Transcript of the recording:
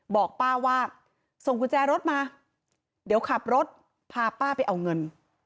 บอกป้าว่าส่งกุญแจรถมาเดี๋ยวขับรถพาป้าไปเอาเงิน